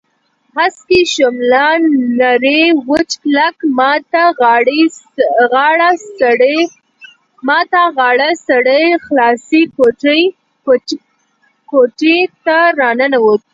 هسکې شمله نری وچ کلک، ما ته غاړه سړی خلاصې کوټې ته راننوت.